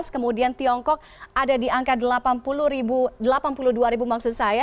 kemudian tiongkok ada di angka delapan puluh delapan puluh dua maksud saya